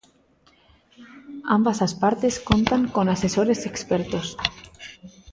Ambas as partes contan con asesores expertos.